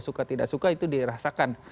suka tidak suka itu dirasakan